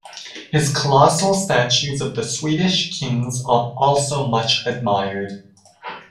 His colossal statues of the Swedish kings are also much admired.